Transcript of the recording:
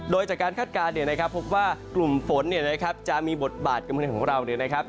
โดยจากการคาดการณ์นะครับพบว่ากลุ่มฝนจะมีบทบาทกำเนินของเรานะครับ